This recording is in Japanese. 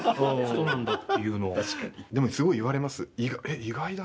でもすごい言われます。